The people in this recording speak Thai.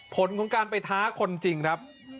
ผลของการไปท้าคนจริงครับ